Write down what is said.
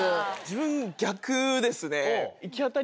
自分逆ですね。